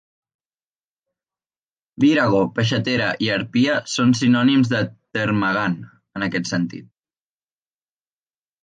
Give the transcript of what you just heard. "Virago", "peixatera" i "harpia" són sinònims de "Termagant" en aquest sentit.